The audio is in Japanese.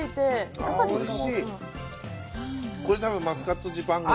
いかがですか。